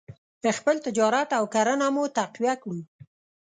خپل تجارت او کرنه مو تقویه کړو.